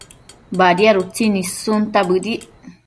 Badiad utsin issunta bëdic